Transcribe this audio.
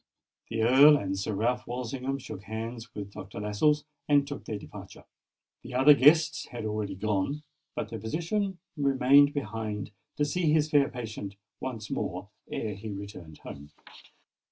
The Earl and Sir Ralph Walsingham shook hands with Dr. Lascelles, and took their departure. The other guests had already gone; but the physician remained behind to see his fair patient once more ere he returned home.